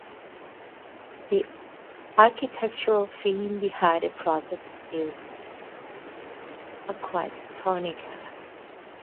The architectural firm behind the project is Arquitectonica.